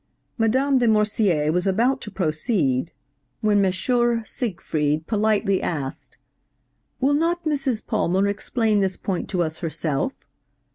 Madame de Morsier was about to proceed, when M. Siegfried politely asked, 'Will not Mrs. Palmer explain this point to us herself?'